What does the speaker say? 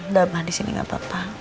udah mbak di sini gak apa apa